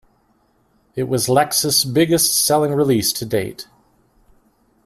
It was Lex's biggest selling release to date.